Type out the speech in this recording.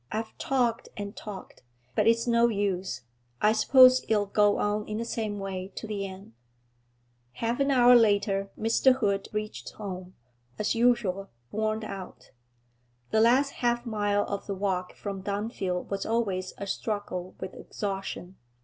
I've talked and talked, but it's no use; I suppose it'll go on in the same way to the end.' Half an hour later Mr. Hood reached home, as usual, worn out. The last half mile of the walk from Dunfield was always a struggle with exhaustion.